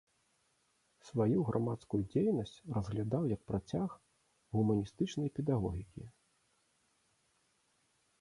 Сваю грамадскую дзейнасць разглядаў як працяг гуманістычнай педагогікі.